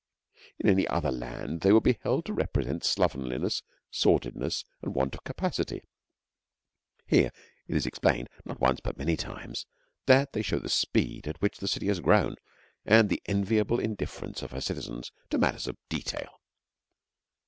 In any other land, they would be held to represent slovenliness, sordidness, and want of capacity. Here it is explained, not once but many times, that they show the speed at which the city has grown and the enviable indifference of her citizens to matters of detail.